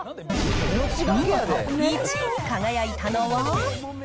見事１位に輝いたのは。